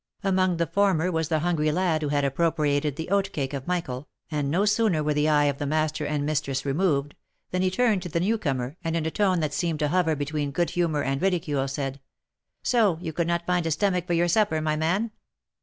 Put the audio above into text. Among the former was the hungry lad who had appropriated the oat cake of Michael, and no sooner were the eye of the master and mistress removed, than he turned to the new comer, and in a tone that seemed to hover between good humour and ridicule, said, " So you could not find a stomach for your supper, my man?"